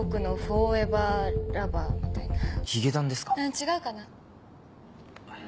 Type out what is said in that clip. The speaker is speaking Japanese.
違うかな。